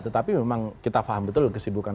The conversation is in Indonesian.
tetapi memang kita paham betul kesibukan